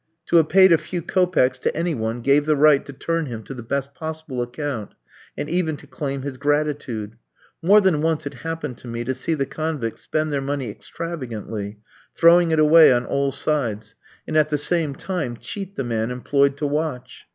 To have paid a few kopecks to any one gave the right to turn him to the best possible account, and even to claim his gratitude. More than once it happened to me to see the convicts spend their money extravagantly, throwing it away on all sides, and, at the same time, cheat the man employed to watch.